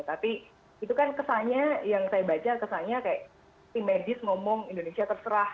tapi itu kan kesannya yang saya baca kesannya kayak tim medis ngomong indonesia terserah